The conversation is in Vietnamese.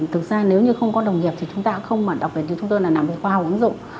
thực ra nếu như không có đồng nghiệp thì chúng ta cũng không đặc biệt chúng tôi là nằm ở khoa học ứng dụng